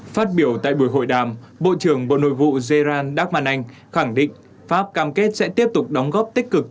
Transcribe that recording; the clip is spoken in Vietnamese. phát biểu tại buổi hội đàm bộ trưởng bộ nội vụ gerard dagman anh khẳng định pháp cam kết sẽ tiếp tục đóng góp tích cực